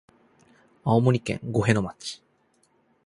青森県五戸町